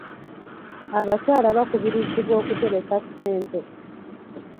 Abakyala bakubirizibwa okutereka ssente.